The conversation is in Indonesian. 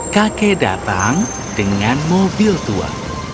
kakek datang dengan mobil tua